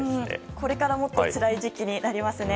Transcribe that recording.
これからもっとつらい時期になりますね。